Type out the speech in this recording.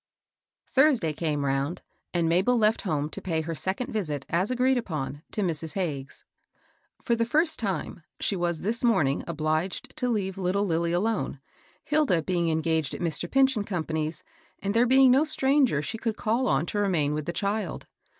HDRSDAT came round, and Mabel left home to pay her second visit as agreed upon to Mrs. Hagges. fFor the first time, she was this morning obliged to leave little Lilly alone, Hilda being engaged at Mr. Pinch and Com pany's, and there being no stranger she could call on to remain with the child.